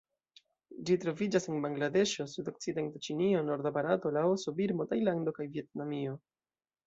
Ĝi troviĝas en Bangladeŝo, sudokcidenta Ĉinio, norda Barato, Laoso, Birmo, Tajlando kaj Vjetnamio.